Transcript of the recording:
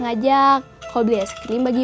kalo beli es krim bagi dua